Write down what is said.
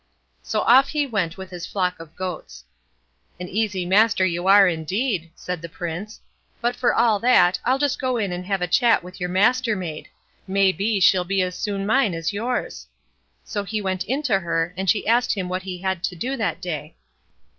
So off he went with his flock of goats. "An easy master you are indeed", said the Prince; "but for all that, I'll just go in and have a chat with your Mastermaid; may be she'll be as soon mine as yours." So he went in to her, and she asked him what he had to do that day.